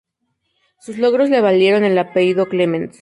Sus logros le valieron el apellido clemens.